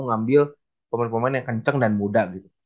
ngambil pemain pemain yang kencang dan muda gitu